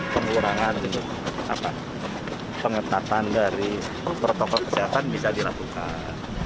pengurangan pengetatan dari protokol kesehatan bisa dilakukan